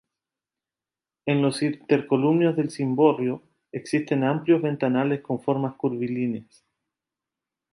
En los intercolumnios del cimborrio existen amplios ventanales con formas curvilíneas.